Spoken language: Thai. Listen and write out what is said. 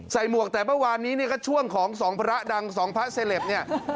ใส่มวกแต่เมื่อวานนี้เนี่ยก็ช่วงของ๒พระดัง๒พระเศรษฐ์เนี่ย